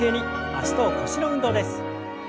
脚と腰の運動です。